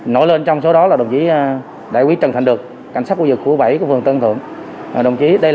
nổi lên trong số đó là đồng chí đại ủy trần thành được cảnh sát quốc dịch khu bảy của phường tân thượng